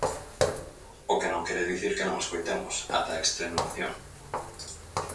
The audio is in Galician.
O que non quere dicir que non escoitemos, ata a extenuación.